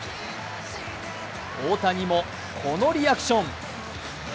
大谷もこのリアクション。